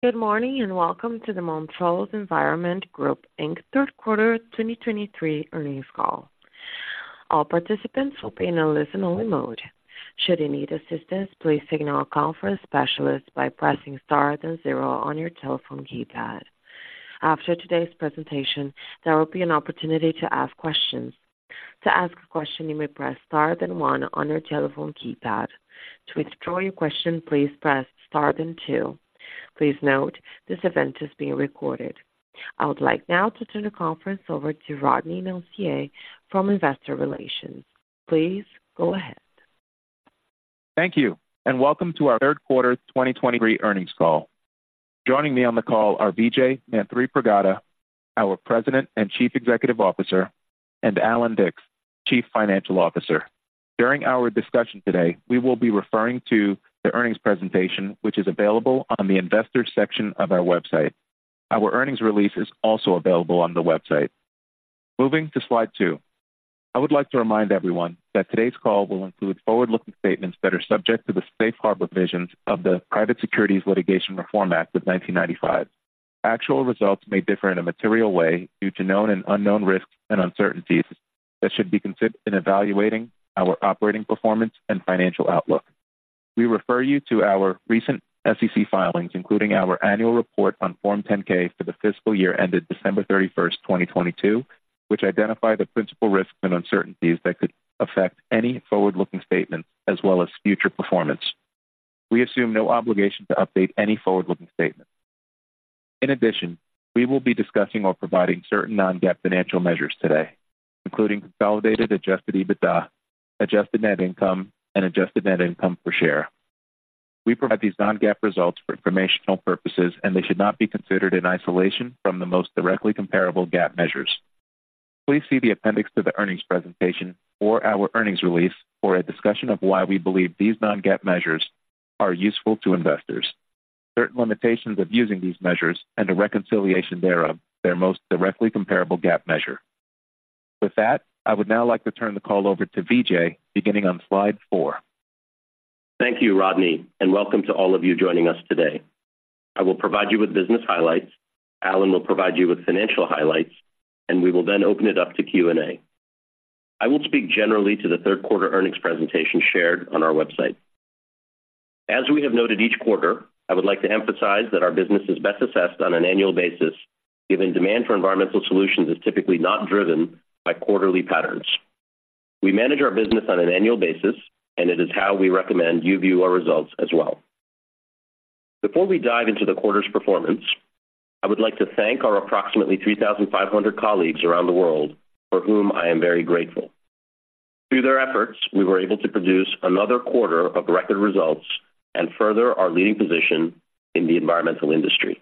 Good morning, and welcome to the Montrose Environmental Group, Inc. Third Quarter 2023 Earnings Call. All participants will be in a listen-only mode. Should you need assistance, please signal a conference specialist by pressing star then zero on your telephone keypad. After today's presentation, there will be an opportunity to ask questions. To ask a question, you may press star then one on your telephone keypad. To withdraw your question, please press star then two. Please note, this event is being recorded. I would like now to turn the conference over to Rodny Nacier from Investor Relations. Please go ahead. Thank you, and welcome to our third quarter 2023 earnings call. Joining me on the call are Vijay Manthripragada, our President and Chief Executive Officer, and Allan Dicks, Chief Financial Officer. During our discussion today, we will be referring to the earnings presentation, which is available on the Investors section of our website. Our earnings release is also available on the website. Moving to slide two. I would like to remind everyone that today's call will include forward-looking statements that are subject to the safe harbor provisions of the Private Securities Litigation Reform Act of 1995. Actual results may differ in a material way due to known and unknown risks and uncertainties that should be considered in evaluating our operating performance and financial outlook. We refer you to our recent SEC filings, including our annual report on Form 10-K for the fiscal year ended December 31st, 2022, which identify the principal risks and uncertainties that could affect any forward-looking statements as well as future performance. We assume no obligation to update any forward-looking statement. In addition, we will be discussing or providing certain non-GAAP financial measures today, including consolidated adjusted EBITDA, adjusted net income, and adjusted net income per share. We provide these non-GAAP results for informational purposes, and they should not be considered in isolation from the most directly comparable GAAP measures. Please see the appendix to the earnings presentation or our earnings release for a discussion of why we believe these non-GAAP measures are useful to investors. Certain limitations of using these measures and a reconciliation thereof, their most directly comparable GAAP measure. With that, I would now like to turn the call over to Vijay, beginning on slide four. Thank you, Rodney, and welcome to all of you joining us today. I will provide you with business highlights, Allan will provide you with financial highlights, and we will then open it up to Q&A. I will speak generally to the third quarter earnings presentation shared on our website. As we have noted each quarter, I would like to emphasize that our business is best assessed on an annual basis, given demand for environmental solutions is typically not driven by quarterly patterns. We manage our business on an annual basis, and it is how we recommend you view our results as well. Before we dive into the quarter's performance, I would like to thank our approximately 3,500 colleagues around the world for whom I am very grateful. Through their efforts, we were able to produce another quarter of record results and further our leading position in the environmental industry.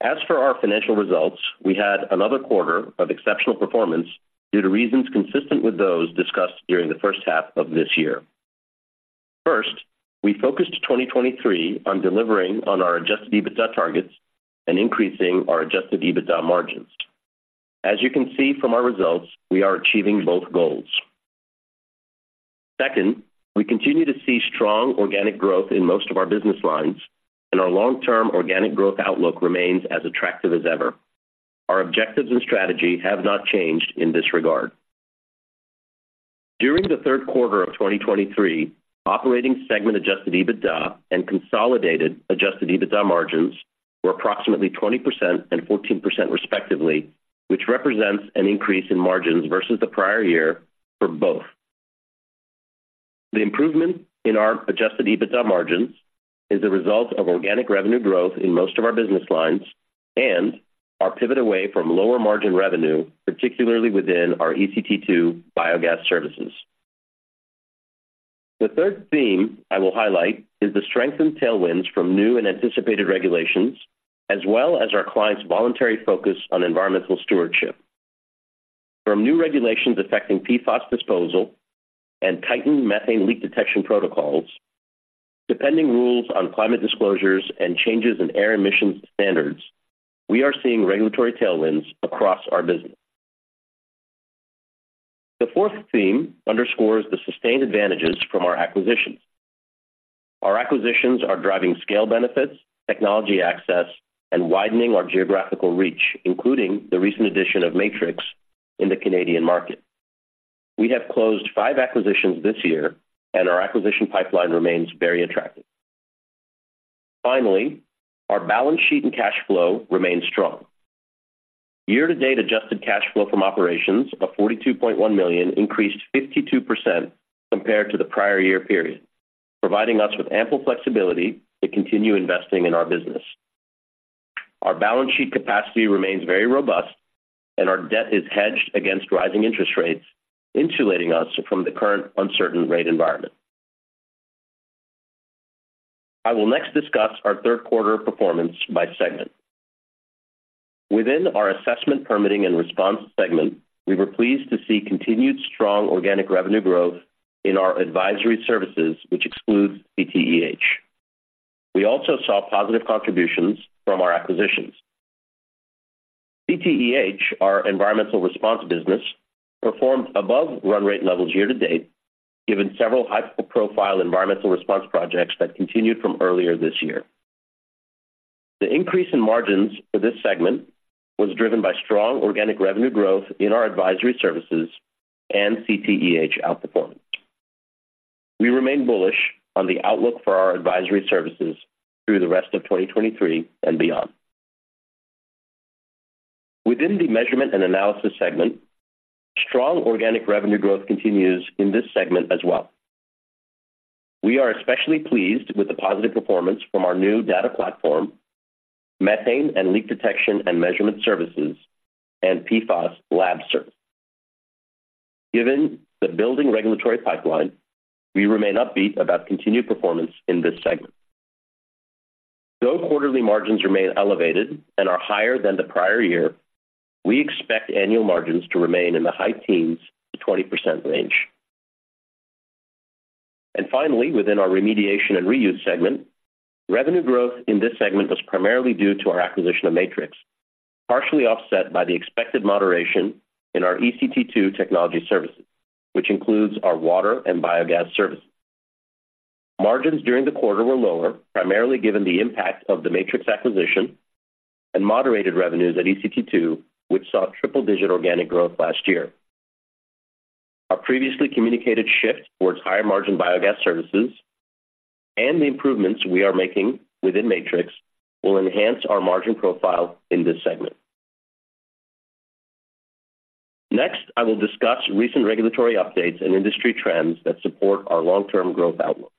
As for our financial results, we had another quarter of exceptional performance due to reasons consistent with those discussed during the first half of this year. First, we focused 2023 on delivering on our Adjusted EBITDA targets and increasing our Adjusted EBITDA margins. As you can see from our results, we are achieving both goals. Second, we continue to see strong organic growth in most of our business lines, and our long-term organic growth outlook remains as attractive as ever. Our objectives and strategy have not changed in this regard. During the third quarter of 2023, operating segment Adjusted EBITDA and consolidated Adjusted EBITDA margins were approximately 20% and 14%, respectively, which represents an increase in margins versus the prior year for both. The improvement in our Adjusted EBITDA margins is a result of organic revenue growth in most of our business lines and our pivot away from lower-margin revenue, particularly within our ECT2 biogas services. The third theme I will highlight is the strength and tailwinds from new and anticipated regulations, as well as our clients' voluntary focus on environmental stewardship. From new regulations affecting PFAS disposal and tightened methane leak detection protocols, depending rules on climate disclosures and changes in air emissions standards, we are seeing regulatory tailwinds across our business. The fourth theme underscores the sustained advantages from our acquisitions. Our acquisitions are driving scale benefits, technology access, and widening our geographical reach, including the recent addition of Matrix in the Canadian market. We have closed five acquisitions this year, and our acquisition pipeline remains very attractive. Finally, our balance sheet and cash flow remain strong. Year-to-date adjusted cash flow from operations of $42.1 million increased 52% compared to the prior year period, providing us with ample flexibility to continue investing in our business. Our balance sheet capacity remains very robust, and our debt is hedged against rising interest rates, insulating us from the current uncertain rate environment. I will next discuss our third quarter performance by segment. Within our assessment, permitting, and response segment, we were pleased to see continued strong organic revenue growth in our advisory services, which excludes CTEH. We also saw positive contributions from our acquisitions. CTEH, our environmental response business, performed above run rate levels year-to-date, given several high-profile environmental response projects that continued from earlier this year. The increase in margins for this segment was driven by strong organic revenue growth in our advisory services and CTEH outperformance. We remain bullish on the outlook for our advisory services through the rest of 2023 and beyond. Within the measurement and analysis segment, strong organic revenue growth continues in this segment as well. We are especially pleased with the positive performance from our new data platform, methane and leak detection and measurement services, and PFAS lab service. Given the building regulatory pipeline, we remain upbeat about continued performance in this segment. Though quarterly margins remain elevated and are higher than the prior year, we expect annual margins to remain in the high teens to 20% range. And finally, within our remediation and reuse segment, revenue growth in this segment was primarily due to our acquisition of Matrix, partially offset by the expected moderation in our ECT2 technology services, which includes our water and biogas services. Margins during the quarter were lower, primarily given the impact of the Matrix acquisition and moderated revenues at ECT2, which saw triple-digit organic growth last year. Our previously communicated shift towards higher-margin biogas services and the improvements we are making within Matrix will enhance our margin profile in this segment. Next, I will discuss recent regulatory updates and industry trends that support our long-term growth outlook.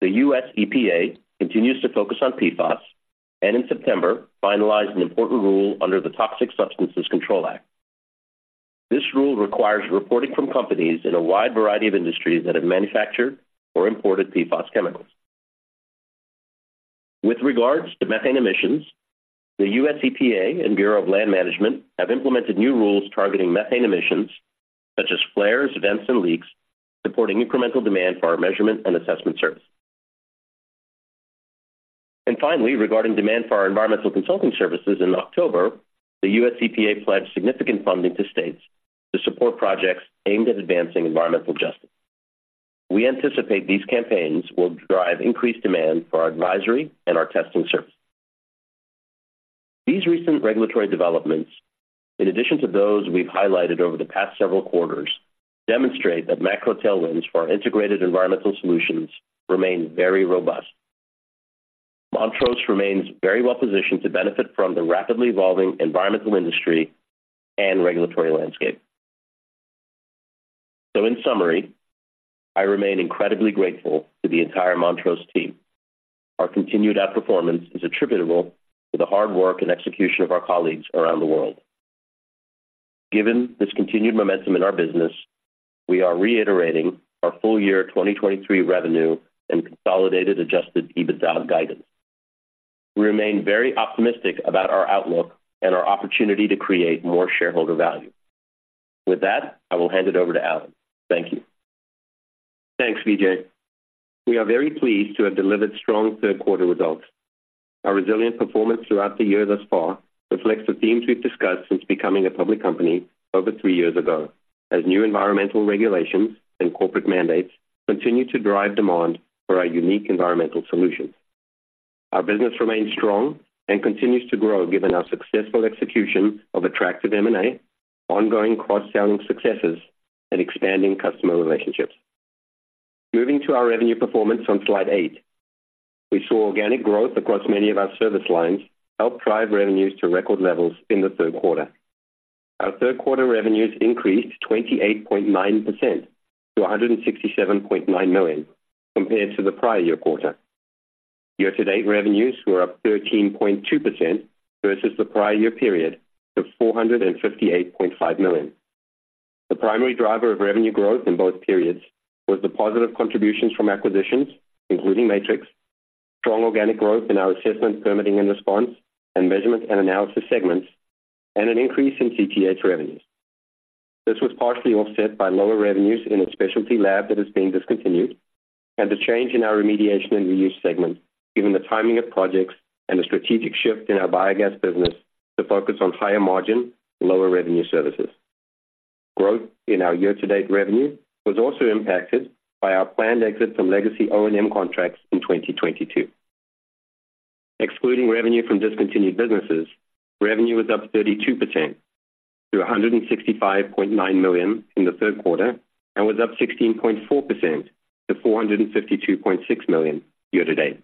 The U.S. EPA continues to focus on PFAS and in September, finalized an important rule under the Toxic Substances Control Act. This rule requires reporting from companies in a wide variety of industries that have manufactured or imported PFAS chemicals. With regards to methane emissions, the U.S. EPA and Bureau of Land Management have implemented new rules targeting methane emissions, such as flares, vents, and leaks, supporting incremental demand for our measurement and assessment services. Finally, regarding demand for our environmental consulting services in October, the U.S. EPA pledged significant funding to states to support projects aimed at advancing environmental justice. We anticipate these campaigns will drive increased demand for our advisory and our testing services. These recent regulatory developments, in addition to those we've highlighted over the past several quarters, demonstrate that macro tailwinds for our integrated environmental solutions remain very robust. Montrose remains very well positioned to benefit from the rapidly evolving environmental industry and regulatory landscape. So in summary, I remain incredibly grateful to the entire Montrose team. Our continued outperformance is attributable to the hard work and execution of our colleagues around the world. Given this continued momentum in our business, we are reiterating our full year 2023 revenue and Consolidated Adjusted EBITDA guidance. We remain very optimistic about our outlook and our opportunity to create more shareholder value. With that, I will hand it over to Allan. Thank you. Thanks, Vijay. We are very pleased to have delivered strong third quarter results. Our resilient performance throughout the year thus far reflects the themes we've discussed since becoming a public company over three years ago, as new environmental regulations and corporate mandates continue to drive demand for our unique environmental solutions. Our business remains strong and continues to grow, given our successful execution of attractive M&A, ongoing cross-selling successes, and expanding customer relationships. Moving to our revenue performance on slide eight. We saw organic growth across many of our service lines help drive revenues to record levels in the third quarter. Our third quarter revenues increased 28.9% to $167.9 million, compared to the prior year quarter. Year-to-date revenues were up 13.2% versus the prior year period to $458.5 million. The primary driver of revenue growth in both periods was the positive contributions from acquisitions, including Matrix, strong organic growth in our assessment, permitting and response, and measurement and analysis segments, and an increase in CTEH revenues. This was partially offset by lower revenues in a specialty lab that is being discontinued and a change in our remediation and reuse segment, given the timing of projects and a strategic shift in our biogas business to focus on higher margin, lower revenue services. Growth in our year-to-date revenue was also impacted by our planned exit from legacy O&M contracts in 2022. Excluding revenue from discontinued businesses, revenue was up 32% to $165.9 million in the third quarter and was up 16.4% to $452.6 million year-to-date.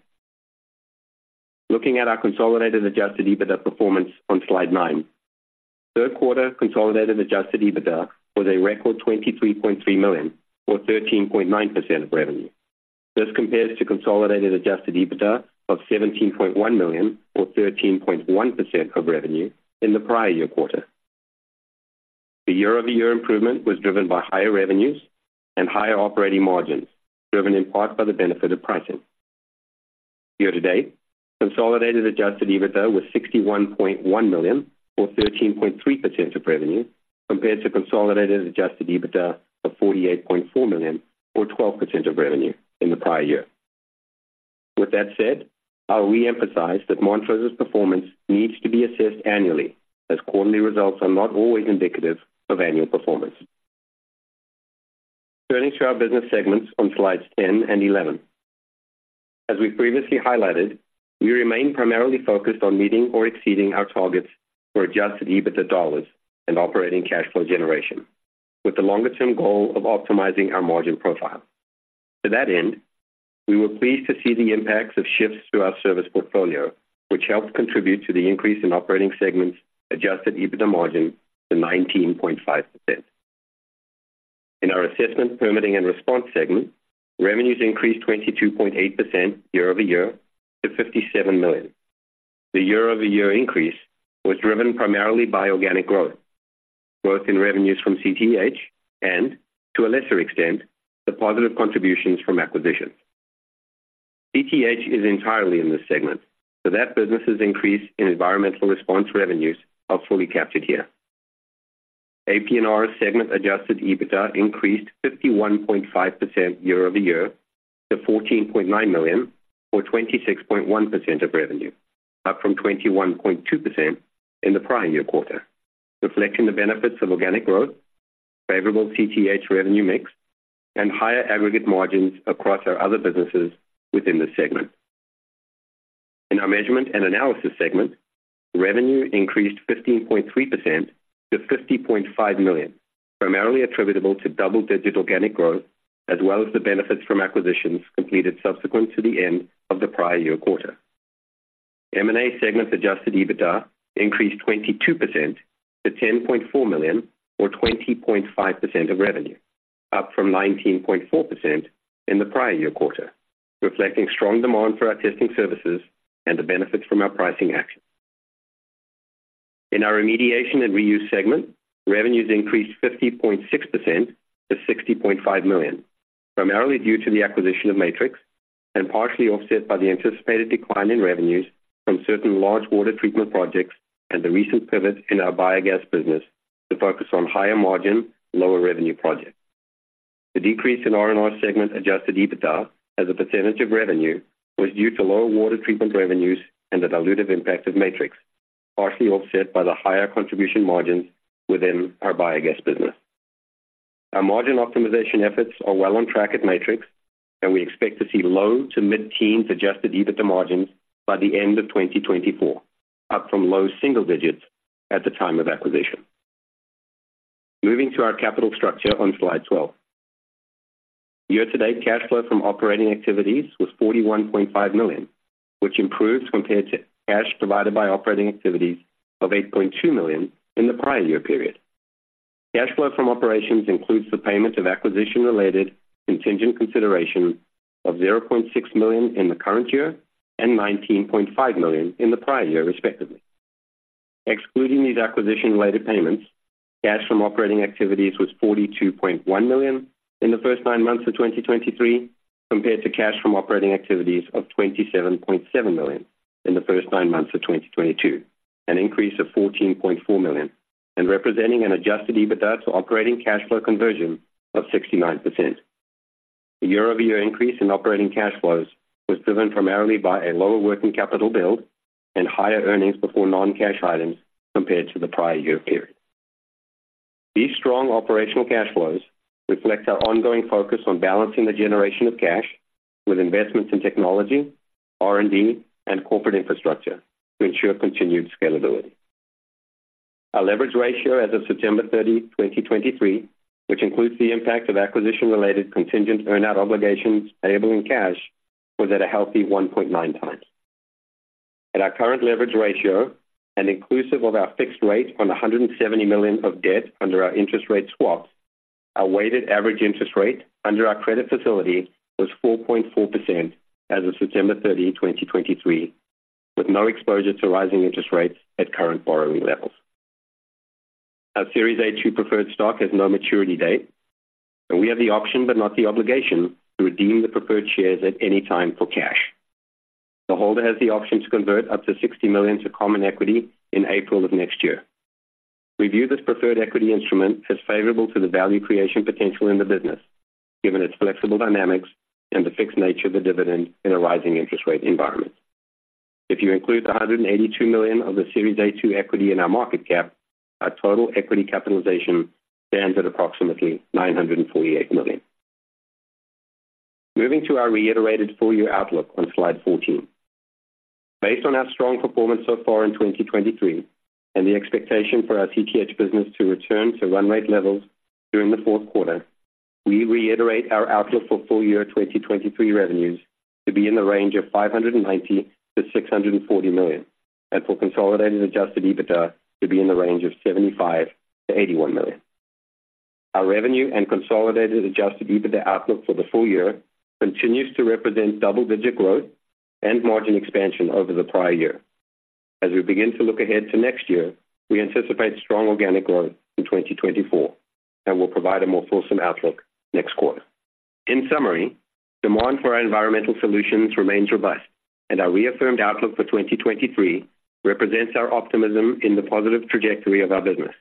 Looking at our consolidated adjusted EBITDA performance on Slide nine. Third quarter consolidated adjusted EBITDA was a record $23.3 million, or 13.9% of revenue. This compares to consolidated adjusted EBITDA of $17.1 million, or 13.1% of revenue in the prior year quarter. The year-over-year improvement was driven by higher revenues and higher operating margins, driven in part by the benefit of pricing. Year to date, consolidated adjusted EBITDA was $61.1 million or 13.3% of revenue, compared to consolidated adjusted EBITDA of $48.4 million or 12% of revenue in the prior year... With that said, I'll reemphasize that Montrose's performance needs to be assessed annually, as quarterly results are not always indicative of annual performance. Turning to our business segments on Slides 10 and 11. As we previously highlighted, we remain primarily focused on meeting or exceeding our targets for Adjusted EBITDA dollars and operating cash flow generation, with the longer-term goal of optimizing our margin profile. To that end, we were pleased to see the impacts of shifts to our service portfolio, which helped contribute to the increase in operating segments' Adjusted EBITDA margin to 19.5%. In our Assessment, Permitting and Response segment, revenues increased 22.8% year-over-year to $57 million. The year-over-year increase was driven primarily by organic growth, growth in revenues from CTEH, and to a lesser extent, the positive contributions from acquisitions. CTEH is entirely in this segment, so that business' increase in environmental response revenues are fully captured here. AP&R's segment adjusted EBITDA increased 51.5% year-over-year to $14.9 million, or 26.1% of revenue, up from 21.2% in the prior year quarter, reflecting the benefits of organic growth, favorable CTEH revenue mix, and higher aggregate margins across our other businesses within this segment. In our Measurement and Analysis segment, revenue increased 15.3% to $50.5 million, primarily attributable to double-digit organic growth, as well as the benefits from acquisitions completed subsequent to the end of the prior year quarter. M&A segment adjusted EBITDA increased 22% to $10.4 million, or 20.5% of revenue, up from 19.4% in the prior year quarter, reflecting strong demand for our testing services and the benefits from our pricing actions. In our Remediation and Reuse segment, revenues increased 50.6% to $60.5 million, primarily due to the acquisition of Matrix and partially offset by the anticipated decline in revenues from certain large water treatment projects and the recent pivot in our biogas business to focus on higher margin, lower revenue projects. The decrease in R&R segment Adjusted EBITDA as a percentage of revenue was due to lower water treatment revenues and the dilutive impact of Matrix, partially offset by the higher contribution margins within our biogas business. Our margin optimization efforts are well on track at Matrix, and we expect to see low to mid-teens Adjusted EBITDA margins by the end of 2024, up from low single digits at the time of acquisition. Moving to our capital structure on Slide 12. Year-to-date cash flow from operating activities was $41.5 million, which improves compared to cash provided by operating activities of $8.2 million in the prior year period. Cash flow from operations includes the payment of acquisition-related contingent consideration of $0.6 million in the current year and $19.5 million in the prior year, respectively. Excluding these acquisition-related payments, cash from operating activities was $42.1 million in the first nine months of 2023, compared to cash from operating activities of $27.7 million in the first nine months of 2022, an increase of $14.4 million and representing an Adjusted EBITDA to operating cash flow conversion of 69%. The year-over-year increase in operating cash flows was driven primarily by a lower working capital build and higher earnings before non-cash items compared to the prior year period. These strong operational cash flows reflect our ongoing focus on balancing the generation of cash with investments in technology, R&D, and corporate infrastructure to ensure continued scalability. Our leverage ratio as of September 30, 2023, which includes the impact of acquisition-related contingent earn out obligations payable in cash, was at a healthy 1.9x. At our current leverage ratio and inclusive of our fixed rate on $170 million of debt under our interest rate swap, our weighted average interest rate under our credit facility was 4.4% as of September 30, 2023, with no exposure to rising interest rates at current borrowing levels. Our Series A-2 preferred stock has no maturity date, and we have the option, but not the obligation, to redeem the preferred shares at any time for cash. The holder has the option to convert up to $60 million to common equity in April of next year. We view this preferred equity instrument as favorable to the value creation potential in the business, given its flexible dynamics and the fixed nature of the dividend in a rising interest rate environment. If you include the $182 million of the Series A-2 equity in our market cap, our total equity capitalization stands at approximately $948 million. Moving to our reiterated full-year outlook on Slide 14. Based on our strong performance so far in 2023 and the expectation for our CTEH business to return to run rate levels during the fourth quarter, we reiterate our outlook for full year 2023 revenues to be in the range of $590 million-$640 million, and for consolidated Adjusted EBITDA to be in the range of $75 million-$81 million. Our revenue and consolidated Adjusted EBITDA outlook for the full year continues to represent double-digit growth and margin expansion over the prior year. As we begin to look ahead to next year, we anticipate strong organic growth in 2024, and we'll provide a more fulsome outlook next quarter. In summary, demand for our environmental solutions remains robust, and our reaffirmed outlook for 2023 represents our optimism in the positive trajectory of our business....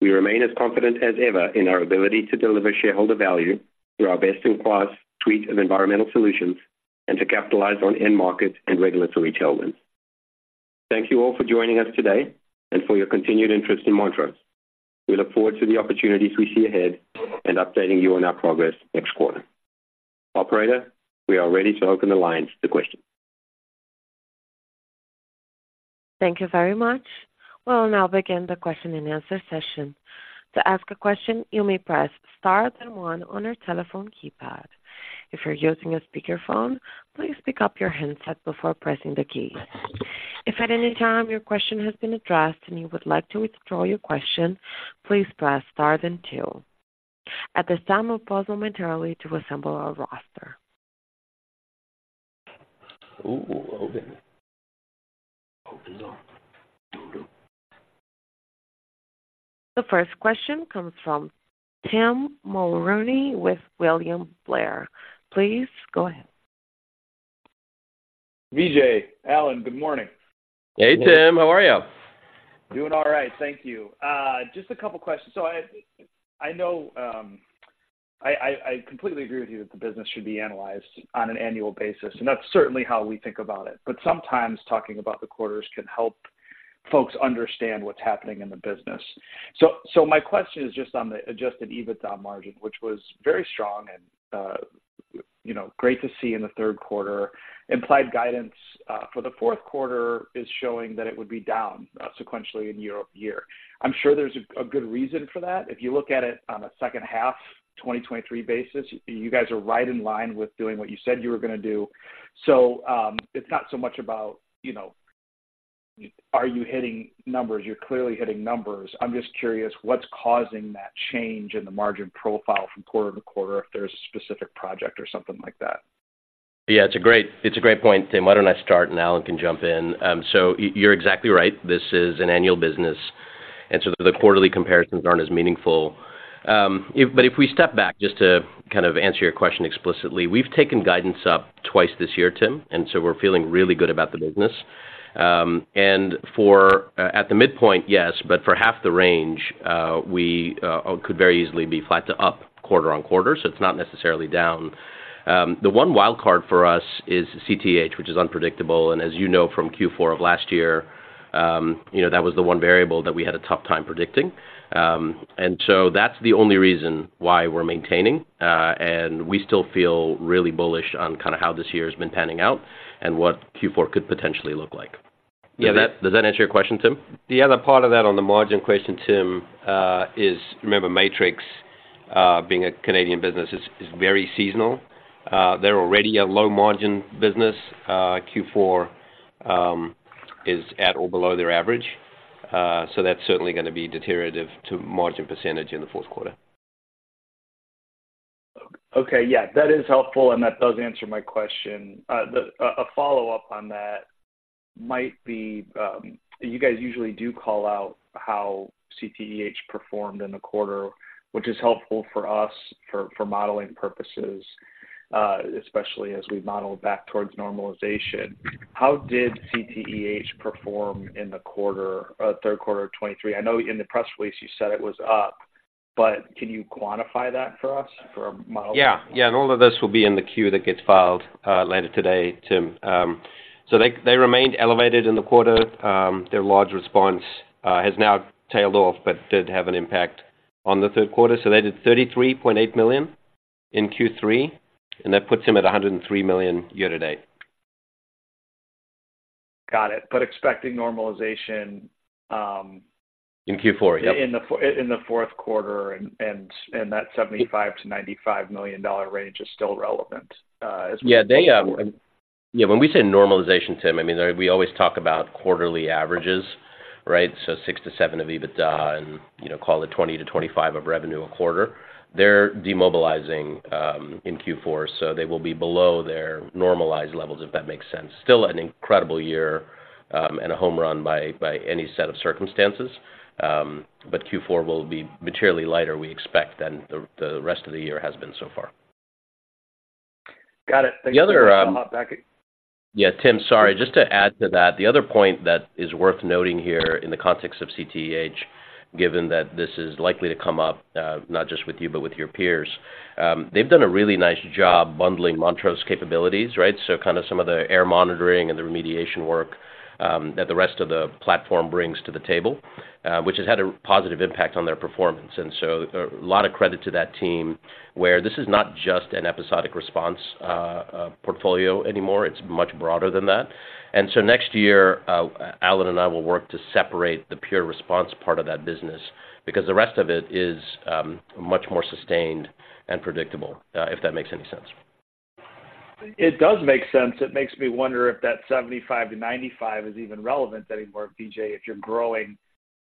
We remain as confident as ever in our ability to deliver shareholder value through our best-in-class suite of environmental solutions and to capitalize on end markets and regulatory tailwinds. Thank you all for joining us today and for your continued interest in Montrose. We look forward to the opportunities we see ahead and updating you on our progress next quarter. Operator, we are ready to open the lines to questions. Thank you very much. We'll now begin the question and answer session. To ask a question, you may press star then one on our telephone keypad. If you're using a speakerphone, please pick up your handset before pressing the key. If at any time your question has been addressed and you would like to withdraw your question, please press star then two. At this time, we'll pause momentarily to assemble our roster. Ooh, okay. Hold on. The first question comes from Tim Mulrooney with William Blair. Please go ahead. Vijay, Allan, good morning. Hey, Tim. How are you? Doing all right. Thank you. Just a couple of questions. So I know I completely agree with you that the business should be analyzed on an annual basis, and that's certainly how we think about it. But sometimes talking about the quarters can help folks understand what's happening in the business. So my question is just on the Adjusted EBITDA margin, which was very strong and, you know, great to see in the third quarter. Implied guidance for the fourth quarter is showing that it would be down sequentially year-over-year. I'm sure there's a good reason for that. If you look at it on a second half, 2023 basis, you guys are right in line with doing what you said you were gonna do. So it's not so much about, you know, are you hitting numbers? You're clearly hitting numbers. I'm just curious, what's causing that change in the margin profile from quarter to quarter, if there's a specific project or something like that? Yeah, it's a great, it's a great point, Tim. Why don't I start, and Allan can jump in? So you, you're exactly right. This is an annual business, and so the quarterly comparisons aren't as meaningful. But if we step back, just to kind of answer your question explicitly, we've taken guidance up twice this year, Tim, and so we're feeling really good about the business. And for, at the midpoint, yes, but for half the range, we could very easily be flat to up quarter-on-quarter, so it's not necessarily down. The one wild card for us is CTEH, which is unpredictable, and as you know from Q4 of last year, you know, that was the one variable that we had a tough time predicting. And so that's the only reason why we're maintaining, and we still feel really bullish on kind of how this year has been panning out and what Q4 could potentially look like. Yeah, does that answer your question, Tim? The other part of that on the margin question, Tim, is, remember, Matrix being a Canadian business, is very seasonal. They're already a low-margin business. Q4 is at or below their average, so that's certainly gonna be deteriorative to margin percentage in the fourth quarter. Okay, yeah, that is helpful, and that does answer my question. A follow-up on that might be, you guys usually do call out how CTEH performed in the quarter, which is helpful for us for modeling purposes, especially as we model back towards normalization. How did CTEH perform in the quarter, third quarter of 2023? I know in the press release you said it was up, but can you quantify that for us for a model? Yeah. Yeah, and all of this will be in the Q that gets filed later today, Tim. So they remained elevated in the quarter. Their large response has now tailed off, but did have an impact on the third quarter. So they did $33.8 million in Q3, and that puts them at $103 million year to date. Got it. But expecting normalization. In Q4, yep. In the fourth quarter, and that $75 million-$95 million range is still relevant, as well- Yeah, they, Yeah, when we say normalization, Tim, I mean, we always talk about quarterly averages, right? So six to sevenof EBITDA and, you know, call it 20-25 of revenue a quarter. They're demobilizing in Q4, so they will be below their normalized levels, if that makes sense. Still an incredible year, and a home run by any set of circumstances. But Q4 will be materially lighter, we expect, than the rest of the year has been so far. Got it. Thank you. The other, Back. Yeah, Tim, sorry. Just to add to that, the other point that is worth noting here in the context of CTEH, given that this is likely to come up, not just with you, but with your peers. They've done a really nice job bundling Montrose capabilities, right? So kind of some of the air monitoring and the remediation work that the rest of the platform brings to the table, which has had a positive impact on their performance, and so a lot of credit to that team, where this is not just an episodic response portfolio anymore, it's much broader than that. And so next year, Allan and I will work to separate the pure response part of that business, because the rest of it is much more sustained and predictable, if that makes any sense. It does make sense. It makes me wonder if that 75-95 is even relevant anymore, Vijay, if you're growing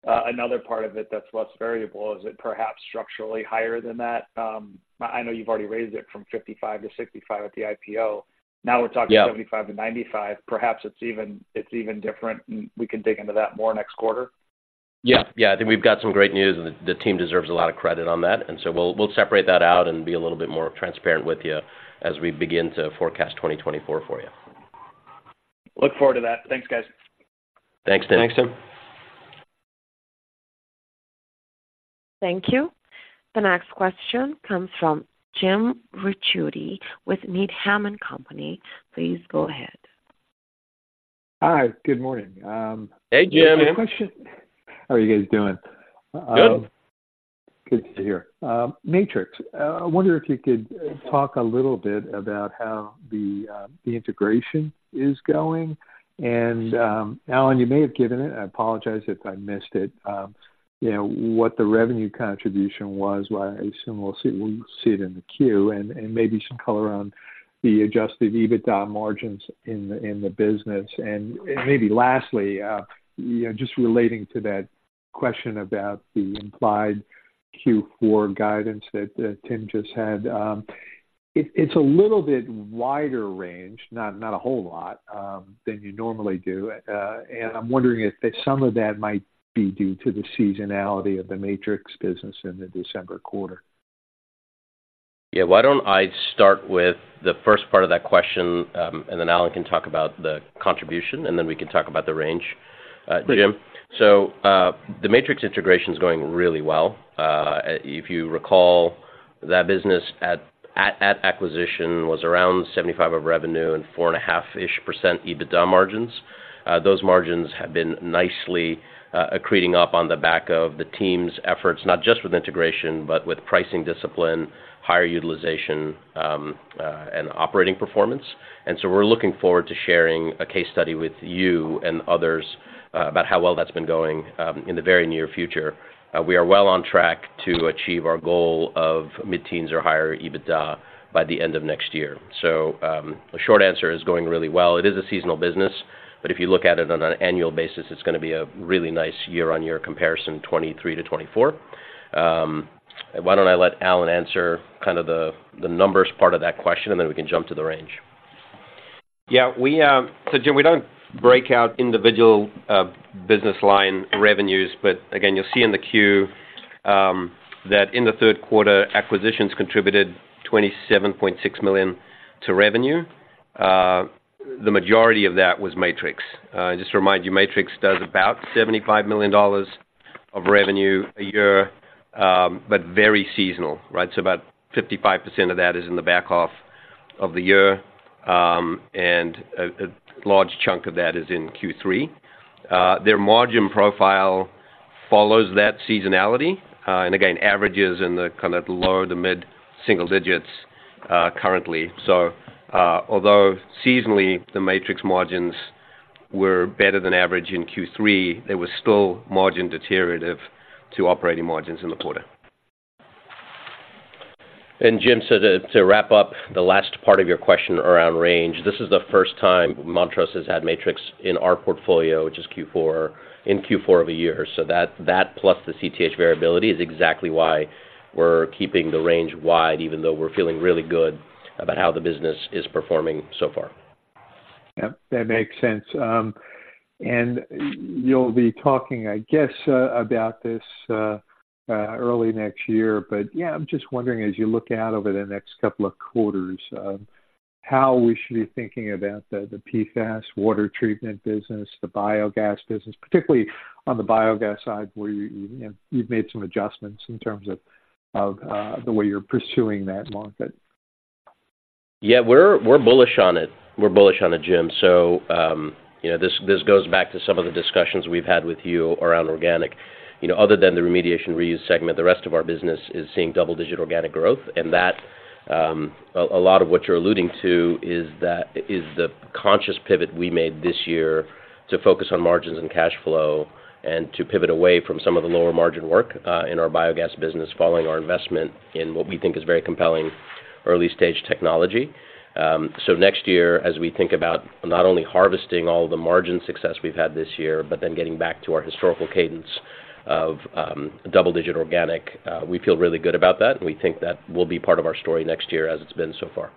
another part of it that's less variable. Is it perhaps structurally higher than that? I know you've already raised it from 55-65 at the IPO. Yeah. Now we're talking 75-95. Perhaps it's even, it's even different, and we can dig into that more next quarter. Yeah. Yeah, I think we've got some great news, and the team deserves a lot of credit on that, and so we'll separate that out and be a little bit more transparent with you as we begin to forecast 2024 for you.... Look forward to that. Thanks, guys. Thanks, Tim. Thanks, Tim. Thank you. The next question comes from Jim Ricchiuti with Needham & Company. Please go ahead. Hi, good morning. Hey, Jim. My question. How are you guys doing? Good. Good to hear. Matrix, I wonder if you could talk a little bit about how the, the integration is going. And, Alan, you may have given it, I apologize if I missed it. You know, what the revenue contribution was. Well, I assume we'll see, we'll see it in the Q, and, and maybe some color on the adjusted EBITDA margins in the, in the business. And, and maybe lastly, you know, just relating to that question about the implied Q4 guidance that, Tim just had. It, it's a little bit wider range, not, not a whole lot, than you normally do. And I'm wondering if some of that might be due to the seasonality of the Matrix business in the December quarter. Yeah. Why don't I start with the first part of that question, and then Allan can talk about the contribution, and then we can talk about the range, Jim. So, the Matrix integration is going really well. If you recall, that business at acquisition was around $75 million of revenue and 4.5%-ish% EBITDA margins. Those margins have been nicely accreting up on the back of the team's efforts, not just with integration, but with pricing discipline, higher utilization, and operating performance. And so we're looking forward to sharing a case study with you and others, about how well that's been going, in the very near future. We are well on track to achieve our goal of mid-teens or higher EBITDA by the end of next year. So, the short answer is going really well. It is a seasonal business, but if you look at it on an annual basis, it's gonna be a really nice year-on-year comparison, 2023 to 2024. Why don't I let Allan answer kind of the, the numbers part of that question, and then we can jump to the range. Yeah, we, So Jim, we don't break out individual business line revenues, but again, you'll see in the Q that in the third quarter, acquisitions contributed $27.6 million to revenue. The majority of that was Matrix. Just to remind you, Matrix does about $75 million of revenue a year, but very seasonal, right? So about 55% of that is in the back half of the year. And a large chunk of that is in Q3. Their margin profile follows that seasonality, and again, averages in the kind of the lower to mid single digits, currently. So, although seasonally, the Matrix margins were better than average in Q3, they were still margin deteriorative to operating margins in the quarter. Jim, so to wrap up the last part of your question around range, this is the first time Montrose has had Matrix in our portfolio, which is Q4, in Q4 of a year. So that plus the CTEH variability is exactly why we're keeping the range wide, even though we're feeling really good about how the business is performing so far. Yep, that makes sense. And you'll be talking, I guess, about this early next year. But yeah, I'm just wondering, as you look out over the next couple of quarters, how we should be thinking about the, the PFAS water treatment business, the biogas business, particularly on the biogas side, where you, you know, you've made some adjustments in terms of, of, the way you're pursuing that market. Yeah, we're bullish on it. We're bullish on it, Jim. So, you know, this goes back to some of the discussions we've had with you around organic. You know, other than the remediation reuse segment, the rest of our business is seeing double-digit organic growth, and that, a lot of what you're alluding to is that is the conscious pivot we made this year to focus on margins and cash flow, and to pivot away from some of the lower margin work, in our biogas business, following our investment in what we think is very compelling early-stage technology. So next year, as we think about not only harvesting all the margin success we've had this year, but then getting back to our historical cadence of double-digit organic, we feel really good about that, and we think that will be part of our story next year as it's been so far.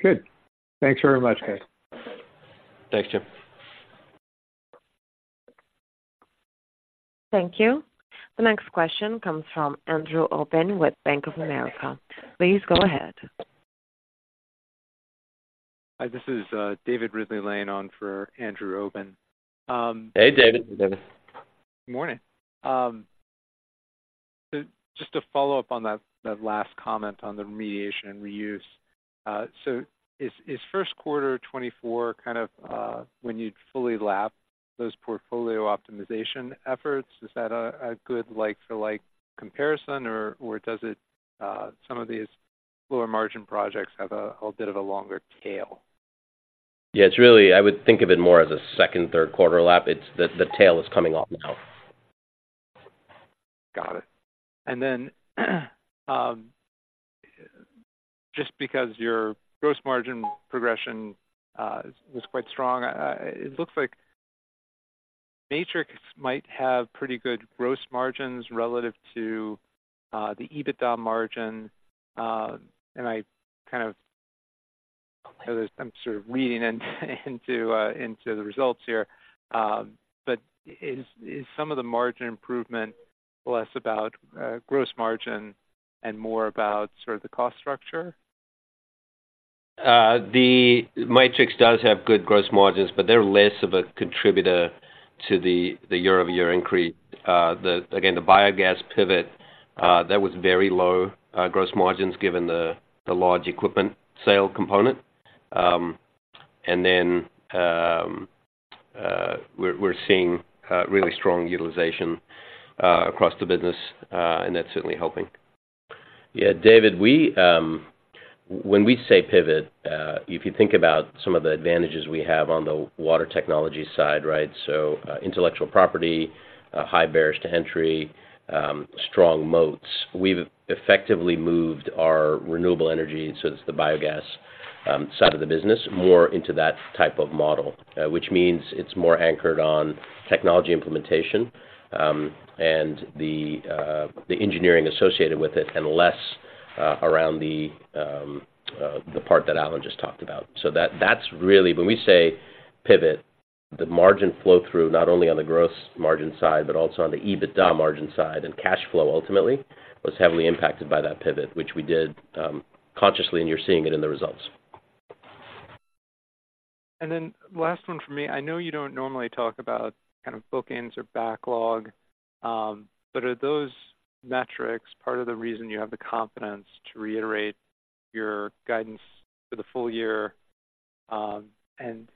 Good. Thanks very much, guys. Thanks, Jim. Thank you. The next question comes from Andrew Oben with Bank of America. Please go ahead. Hi, this is David Ridley-Lane in for Andrew Obin. Hey, David. Hey, David. Good morning. So just to follow up on that, that last comment on the remediation and reuse. So is first quarter 2024 kind of when you'd fully lap those portfolio optimization efforts? Is that a good like for like comparison, or does it some of these lower margin projects have a bit of a longer tail? Yeah, it's really. I would think of it more as a second, third quarter lap. It's the tail is coming off now. Got it. And then, just because your gross margin progression was quite strong, it looks like Matrix might have pretty good gross margins relative to the EBITDA margin. And I kind of... I'm sort of reading in, into, into the results here. But is some of the margin improvement less about gross margin?... and more about sort of the cost structure? The matrix does have good gross margins, but they're less of a contributor to the year-over-year increase. Again, the biogas pivot that was very low gross margins given the large equipment sale component. And then, we're seeing really strong utilization across the business, and that's certainly helping. Yeah, David, we, when we say pivot, if you think about some of the advantages we have on the water technology side, right? So, intellectual property, high barriers to entry, strong moats. We've effectively moved our renewable energy, so it's the biogas side of the business, more into that type of model. Which means it's more anchored on technology implementation, and the engineering associated with it, and less around the part that Allan just talked about. So that, that's really... When we say pivot, the margin flow-through, not only on the gross margin side, but also on the EBITDA margin side and cash flow ultimately, was heavily impacted by that pivot, which we did, consciously, and you're seeing it in the results. And then last one for me. I know you don't normally talk about kind of bookings or backlog, but are those metrics part of the reason you have the confidence to reiterate your guidance for the full year? And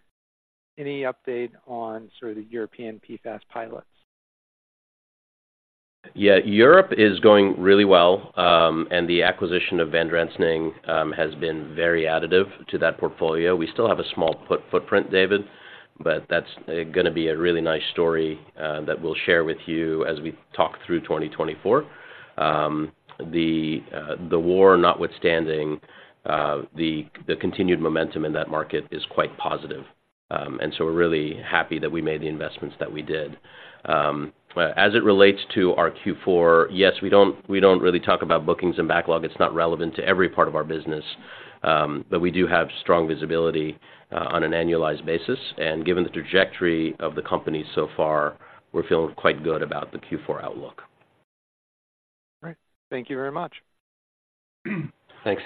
any update on sort of the European PFAS pilots? Yeah. Europe is going really well, and the acquisition of [Van Lanschot] has been very additive to that portfolio. We still have a small footprint, David, but that's gonna be a really nice story that we'll share with you as we talk through 2024. The war notwithstanding, the continued momentum in that market is quite positive. And so we're really happy that we made the investments that we did. But as it relates to our Q4, yes, we don't really talk about bookings and backlog. It's not relevant to every part of our business. But we do have strong visibility on an annualized basis, and given the trajectory of the company so far, we're feeling quite good about the Q4 outlook. All right. Thank you very much. Thanks.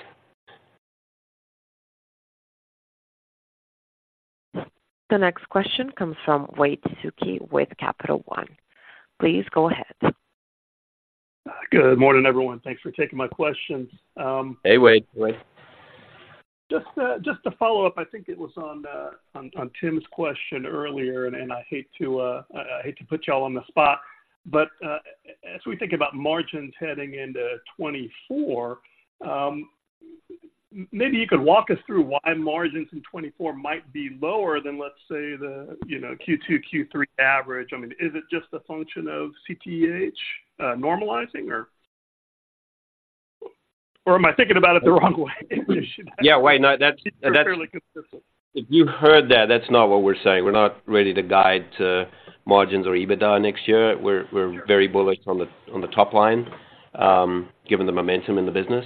The next question comes from Wade Suki with Capital One. Please go ahead. Good morning, everyone. Thanks for taking my questions, Hey, Wade. Wade. Just to follow up, I think it was on Tim's question earlier, and I hate to put y'all on the spot, but as we think about margins heading into 2024, maybe you could walk us through why margins in 2024 might be lower than, let's say, you know, the Q2, Q3 average. I mean, is it just a function of CTEH normalizing, or am I thinking about it the wrong way? Yeah. Wade, no, that's— Fairly consistent. If you heard that, that's not what we're saying. We're not ready to guide to margins or EBITDA next year. We're very bullish on the top line, given the momentum in the business.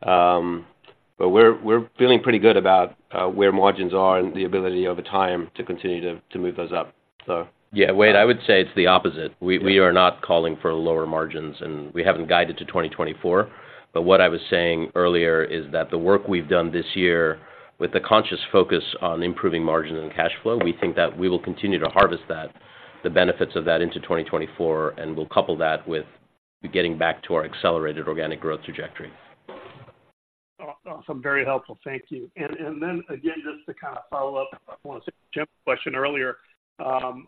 But we're feeling pretty good about where margins are and the ability over time to continue to move those up. So... Yeah, Wade, I would say it's the opposite. Yeah. We are not calling for lower margins, and we haven't guided to 2024. But what I was saying earlier is that the work we've done this year with the conscious focus on improving margins and cash flow, we think that we will continue to harvest that, the benefits of that, into 2024, and we'll couple that with getting back to our accelerated organic growth trajectory. Awesome. Very helpful. Thank you. And then again, just to kind of follow up on Tim's question earlier, on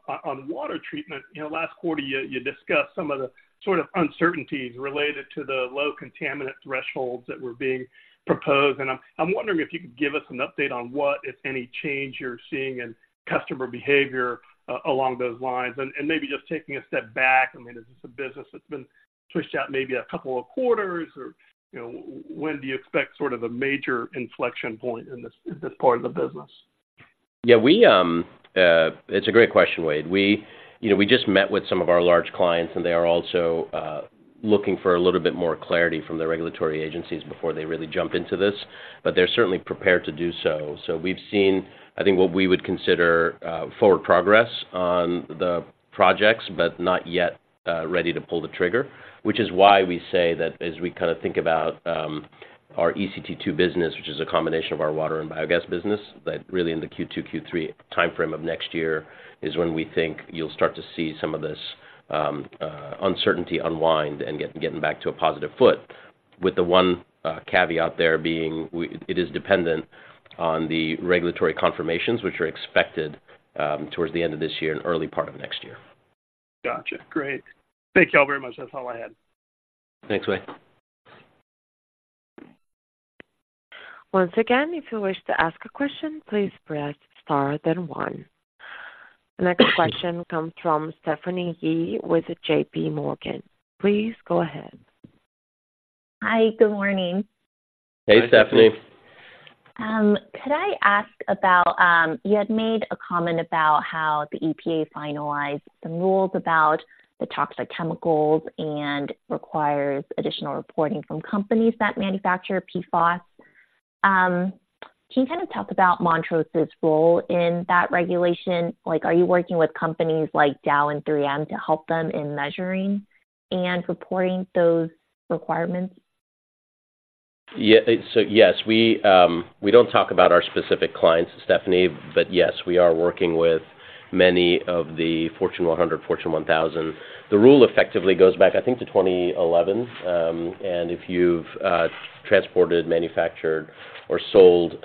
water treatment. You know, last quarter you discussed some of the sort of uncertainties related to the low contaminant thresholds that were being proposed, and I'm wondering if you could give us an update on what, if any, change you're seeing in customer behavior along those lines. And maybe just taking a step back, I mean, is this a business that's been pushed out maybe a couple of quarters or, you know, when do you expect sort of a major inflection point in this part of the business? Yeah, we... It's a great question, Wade. We, you know, we just met with some of our large clients, and they are also looking for a little bit more clarity from the regulatory agencies before they really jump into this, but they're certainly prepared to do so. So we've seen, I think, what we would consider forward progress on the projects, but not yet ready to pull the trigger, which is why we say that as we kind of think about our ECT2 business, which is a combination of our water and biogas business, that really in the Q2, Q3 timeframe of next year is when we think you'll start to see some of this uncertainty unwind and getting back to a positive foot. With the one caveat there being it is dependent on the regulatory confirmations, which are expected towards the end of this year and early part of next year. Gotcha. Great. Thank you all very much. That's all I had. Thanks, Wade. Once again, if you wish to ask a question, please press star then one. The next question comes from Stephanie Yee with J.P. Morgan. Please go ahead. Hi, good morning. Hey, Stephanie. Hi, Stephanie. Could I ask about... You had made a comment about how the EPA finalized some rules about the toxic chemicals and requires additional reporting from companies that manufacture PFAS. Can you kind of talk about Montrose's role in that regulation? Like, are you working with companies like Dow and 3M to help them in measuring and reporting those requirements? Yeah. So yes, we, we don't talk about our specific clients, Stephanie, but yes, we are working with many of the Fortune 100, Fortune 1000. The rule effectively goes back, I think, to 2011. And if you've transported, manufactured, or sold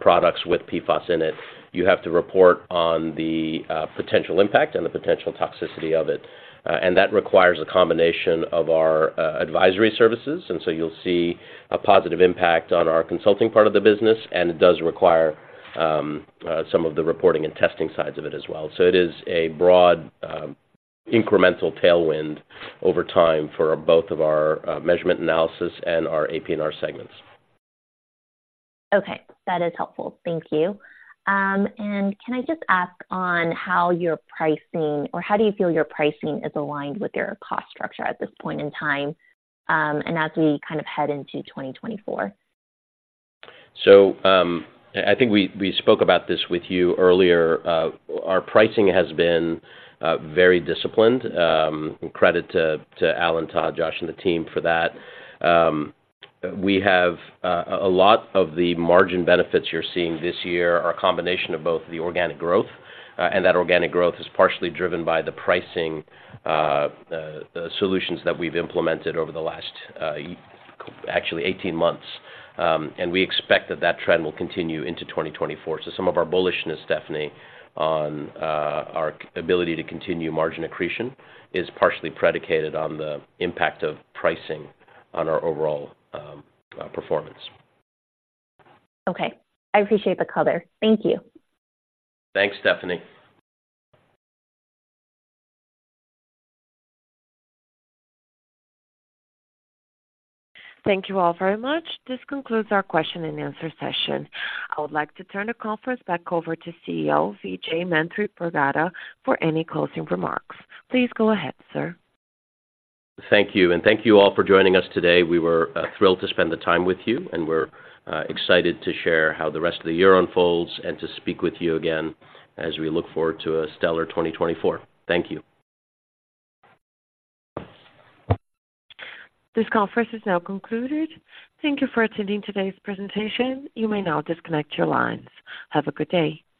products with PFAS in it, you have to report on the potential impact and the potential toxicity of it. And that requires a combination of our advisory services, and so you'll see a positive impact on our consulting part of the business, and it does require some of the reporting and testing sides of it as well. So it is a broad incremental tailwind over time for both of our measurement analysis and our APNR segments. Okay, that is helpful. Thank you. Can I just ask on how your pricing, or how do you feel your pricing is aligned with your cost structure at this point in time, and as we kind of head into 2024? So, I think we spoke about this with you earlier. Our pricing has been very disciplined. Credit to Al and Todd, Josh, and the team for that. We have a lot of the margin benefits you're seeing this year are a combination of both the organic growth, and that organic growth is partially driven by the pricing solutions that we've implemented over the last, actually 18 months. And we expect that that trend will continue into 2024. So some of our bullishness, Stephanie, on our ability to continue margin accretion, is partially predicated on the impact of pricing on our overall performance. Okay, I appreciate the color. Thank you. Thanks, Stephanie. Thank you all very much. This concludes our question and answer session. I would like to turn the conference back over to CEO, Vijay Manthripragada, for any closing remarks. Please go ahead, sir. Thank you, and thank you all for joining us today. We were thrilled to spend the time with you, and we're excited to share how the rest of the year unfolds and to speak with you again as we look forward to a stellar 2024. Thank you. This conference is now concluded. Thank you for attending today's presentation. You may now disconnect your lines. Have a good day.